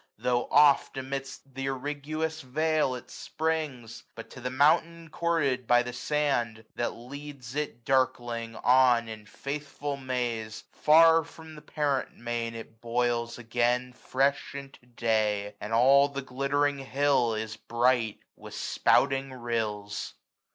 Though oft amidst th' irriguous vale it springs ; But to the mountain courted by the sand, 750 That leads it darkling on in faithful maze. Far from the parent main, it boils again Fresh into day; and all the glittering hill Is bright with spouting rills.